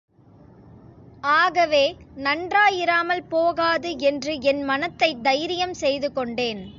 ஆகவே நன்றாயிராமல் போகாது என்று என் மனத்தைத் தைரியம் செய்து கொண்டேன்.